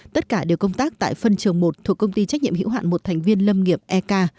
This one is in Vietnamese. tất cả đều công tác tại phân trường một thuộc công ty trách nhiệm hữu hạn một thành viên lâm nghiệp ek